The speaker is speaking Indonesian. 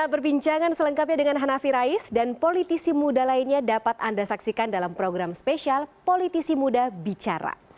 perbincangan selengkapnya dengan hanafi rais dan politisi muda lainnya dapat anda saksikan dalam program spesial politisi muda bicara